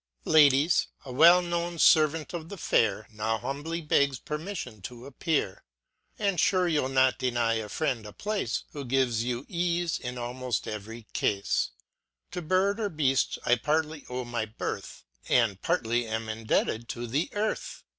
Ladies, a well known fervant of the fair Now humbly begs pcrmiflion to appear* And fure you'll not deny a friend a place. Who gives you eafe in aimoft every cafe. To bird or beaft I partly owe my birth, And partly am indebted to the earth.